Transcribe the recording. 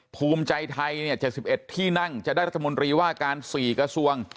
ภูมิใจไทยเนี่ยเจ็บสิบเอ็ดที่นั่งจะได้รัฐมนตรีว่าการสี่กระทรวง